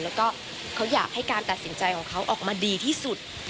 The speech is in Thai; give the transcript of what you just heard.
แล้วก็เขาอยากให้การตัดสินใจของเขาออกมาดีที่สุด